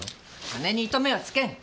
金に糸目はつけん。